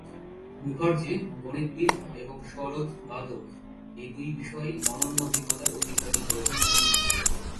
মুখার্জি গণিতবিদ এবং সরোদ বাদক এই দুই বিষয়েই অনন্য অভিজ্ঞতার অধিকারী হয়েছিলেন।